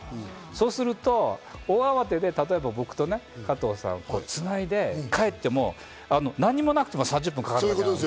そうすると大慌てで僕と加藤さんを繋いで帰っても何もなくても３０分かかる。